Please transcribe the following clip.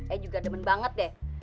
eh juga demen banget deh